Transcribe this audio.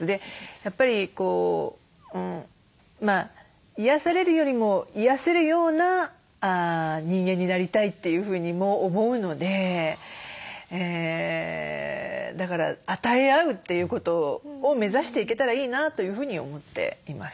やっぱり癒やされるよりも癒やせるような人間になりたいというふうにも思うのでだから与え合うっていうことを目指していけたらいいなというふうに思っています。